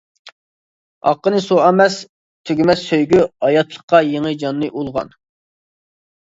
ئاققىنى سۇ ئەمەس تۈگىمەس سۆيگۈ ھاياتلىققا يېڭى جاننى ئۇلىغان.